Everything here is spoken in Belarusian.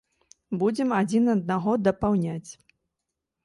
Будзем адзін аднаго дапаўняць.